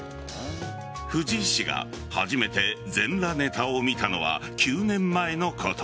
藤井氏が初めて全裸ネタを見たのは９年前のこと。